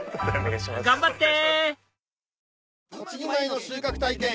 頑張って！